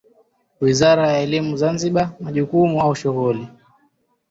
Wizara ya Elimu Zanziba Majukumu au shughuli